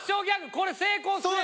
これ成功すれば。